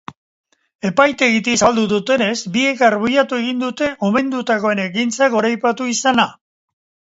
Epaitegitik zabaldu dutenez, biek arbuiatu egin dute omendutakoen ekintzak goraipatu izana.